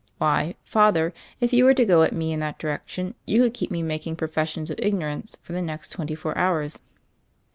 Why, Father, if you were to go at me in that direction you could keep me making pro fessions of ignorance for the next twenty four hours."